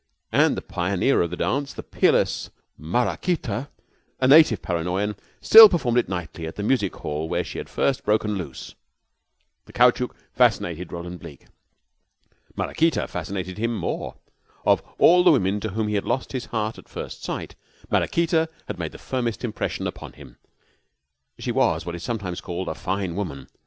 And the pioneer of the dance, the peerless Maraquita, a native Paranoyan, still performed it nightly at the music hall where she had first broken loose. The caoutchouc fascinated Roland Bleke. Maraquita fascinated him more. Of all the women to whom he had lost his heart at first sight, Maraquita had made the firmest impression upon him. She was what is sometimes called a fine woman.